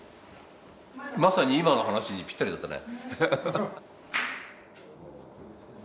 まさに今の話にぴったりだったね。